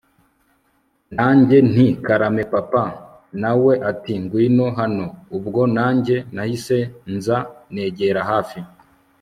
nanjye nti karame papa! nawe ati ngwino hano! ubwo nanjye nahise nza negera hafi